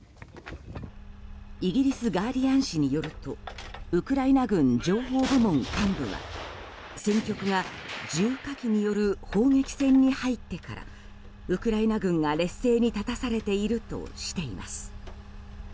イギリスガーディアン紙によるとウクライナ軍情報部門幹部は戦局が重火器による砲撃戦に入ってからウクライナ軍が、劣勢に立たされているとしています。